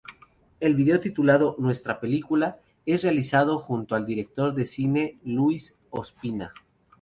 El vídeo, titulado "Nuestra película", es realizado junto al director de cine Luis Ospina.